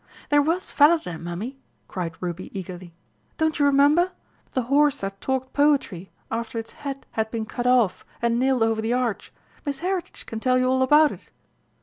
"There was Falada, Mummy," cried Ruby eagerly. "Don't you remember? The horse that talked poetry after its head had been cut off and nailed over the arch! Miss Heritage can tell you all about it."